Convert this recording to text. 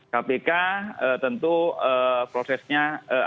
kpk tentu prosesnya